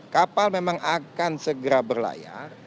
kapal memang akan segera berlayar